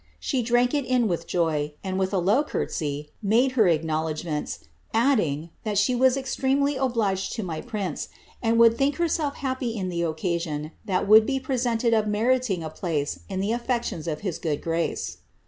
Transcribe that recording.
She drank it in with joy, and, with a low curtsey, made her acknowledgments, adding, thai :»lie was extremely obliged to my prince, and would think herself happy in the occasion that would be presented of meriting a place in the a^ec u.iiis of liis good grace."